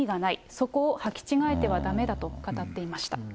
そこをはき違えてはだめだと語っていました。